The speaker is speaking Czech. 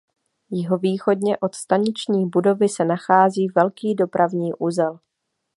Jihovýchodně od staniční budovy se nachází velký dopravní uzel.